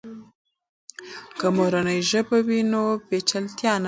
که مورنۍ ژبه وي، نو پیچلتیا نه راځي.